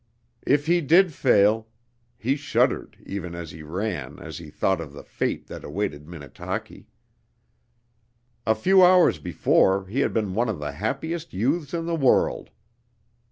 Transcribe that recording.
If he did fail He shuddered, even as he ran, as he thought of the fate that awaited Minnetaki. A few hours before he had been one of the happiest youths in the world.